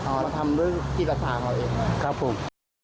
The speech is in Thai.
อ๋อแล้วทำด้วยกิจฐานของเองนะครับผม